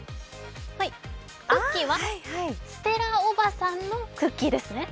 クッキーはステラおばさんのクッキーですね。